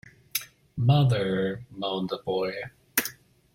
“Mother!” moaned the boy.